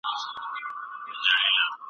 هغوی له پخوا څخه په دې برخه کي کار کاوه.